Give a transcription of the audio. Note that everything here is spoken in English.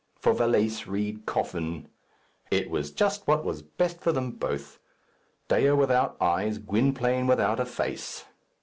For valise, read coffin. It was just what was best for them both. Dea without eyes, Gwynplaine without a face.